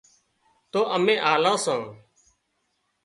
تو امين آلان سان